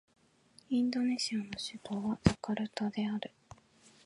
インドネシアの首都はジャカルタである